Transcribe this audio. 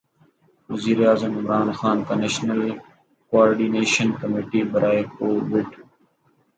وزیرِ اعظم عمران خان کی نیشنل کوارڈینیشن کمیٹی برائے کوویڈ